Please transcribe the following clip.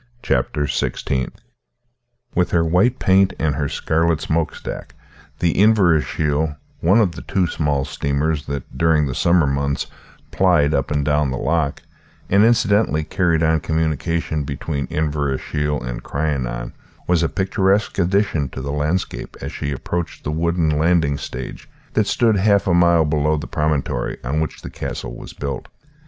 CHAPTER XVI With her white paint and her scarlet smokestack, the Inverashiel one of the two small steamers that during the summer months plied up and down the loch, and incidentally carried on communication between Inverashiel and Crianan was a picturesque addition to the landscape, as she approached the wooden landing stage that stood half a mile below the promontory on which the castle was built.